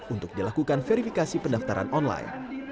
untuk dilakukan verifikasi pendaftaran online